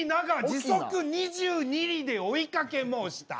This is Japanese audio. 時速２２里で追いかけもうした。